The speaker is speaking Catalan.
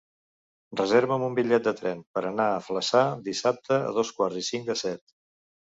Reserva'm un bitllet de tren per anar a Flaçà dissabte a dos quarts i cinc de set.